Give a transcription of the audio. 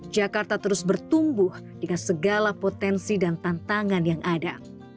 jakarta terus bertumbuh dengan segala potensi dan tantangan yang ada